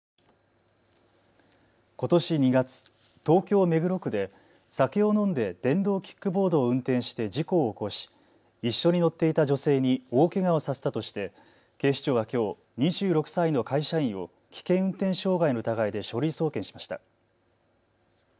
ことし２月、東京目黒区で酒を飲んで電動キックボードを運転して事故を起こし一緒に乗っていた女性に大けがをさせたとして警視庁はきょう２６歳の会社員を危険運転傷害の疑いで書類送検しました。